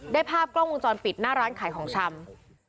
ภาพกล้องวงจรปิดหน้าร้านขายของชำ